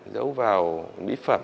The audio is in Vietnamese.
giấu vào mỹ phẩm